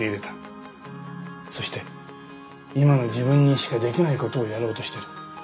そして今の自分にしかできない事をやろうとしてる。